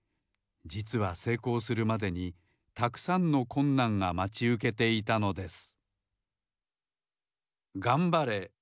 じつはせいこうするまでにたくさんのこんなんがまちうけていたのです